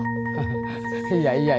kalo panas ya gerah atuh